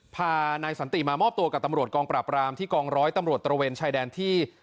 พานายสันติมามอบตัวกับตำรวจกองปราบรามที่กองร้อยตำรวจตระเวนชายแดนที่